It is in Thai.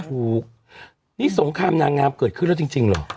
ถูกนี่สงครามนางงามเกิดขึ้นแล้วจริงเหรอ